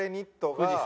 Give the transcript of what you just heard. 富士山。